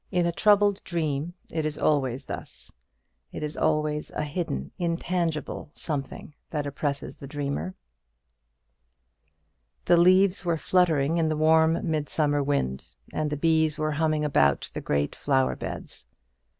In a troubled dream it is always thus, it is always a hidden, intangible something that oppresses the dreamer. The leaves were fluttering in the warm midsummer wind, and the bees were humming about the great flower beds.